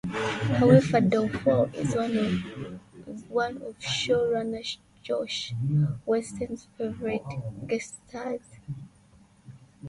However, Dafoe is one of show runner Josh Weinstein's favorite guest stars.